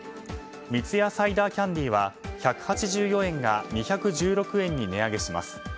三ツ矢サイダーキャンディは１８４円が２１６円に値上げします。